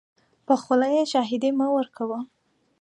په خوله یې شاهدي مه ورکوه .